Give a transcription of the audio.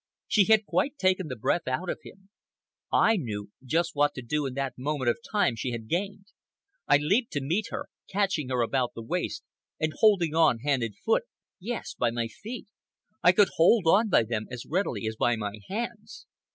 She had quite taken the breath out of him. I knew just what to do in that moment of time she had gained. I leaped to meet her, catching her about the waist and holding on hand and foot—yes, by my feet; I could hold on by them as readily as by my hands.